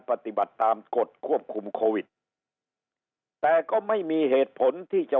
ปฏิบัติตามกฎควบคุมโควิดแต่ก็ไม่มีเหตุผลที่จะ